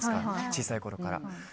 小さいころから。